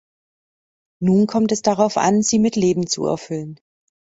Nun kommt es darauf an, sie mit Leben zu erfüllen.